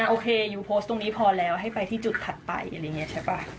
โอเคยูโพสต์ตรงนี้พอแล้วให้ไปที่จุดถัดไปอะไรอย่างนี้ใช่ป่ะ